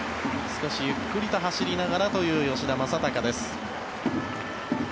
少しゆっくりと走りながらという吉田正尚です。